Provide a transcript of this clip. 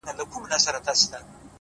مهرباني د انسانیت ښکلی انځور دی،